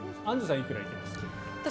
アンジュさんはいくらですか？